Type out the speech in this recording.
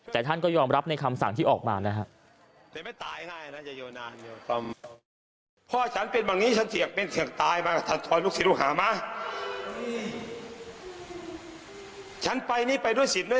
แต่ท่านก็ยอมรับในคำสั่งที่ออกมานะฮะ